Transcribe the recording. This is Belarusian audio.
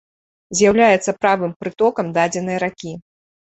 З'яўляецца правым прытокам дадзенай ракі.